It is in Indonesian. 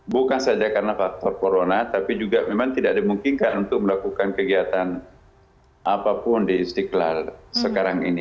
bukan saja karena faktor corona tapi juga memang tidak dimungkinkan untuk melakukan kegiatan apapun di istiqlal sekarang ini